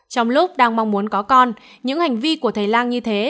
trong lúc đang mong muốn có con những hành vi của thầy lang như thế